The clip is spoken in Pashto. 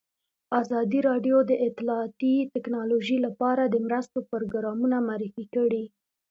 ازادي راډیو د اطلاعاتی تکنالوژي لپاره د مرستو پروګرامونه معرفي کړي.